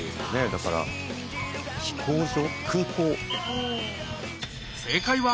だから飛行場。